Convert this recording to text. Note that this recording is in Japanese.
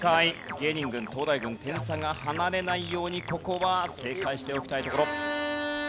芸人軍東大軍点差が離れないようにここは正解しておきたいところ。